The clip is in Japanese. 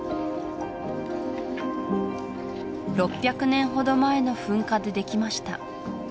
６００年ほど前の噴火でできました